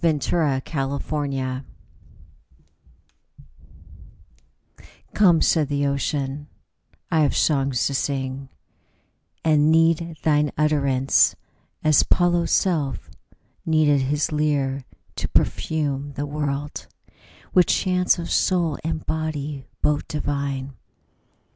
A FIRST WORD " COME," said the Ocean, " I have songs to sing, And need thine utterance, as Apollo's self Needed his lyre to perfume the world With chants of soul and body, both divine."